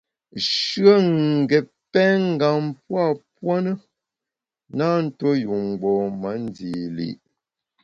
Shùe n’ gét pèn ngam pua puo ne, na ntuo njun mgbom-a ndi li’.